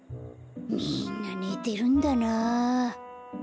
みんなねてるんだな。